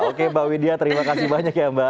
oke mbak widya terima kasih banyak ya mbak